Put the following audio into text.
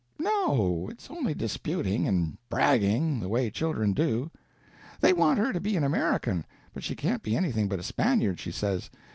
"No; it's only disputing, and bragging, the way children do. They want her to be an American, but she can't be anything but a Spaniard, she says.